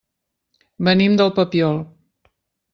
Venim del Papiol.